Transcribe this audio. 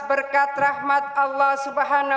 warga dan lamar herbs grandma